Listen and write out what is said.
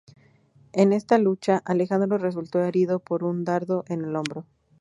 En esta lucha, Alejandro resultó herido por un dardo en el hombro.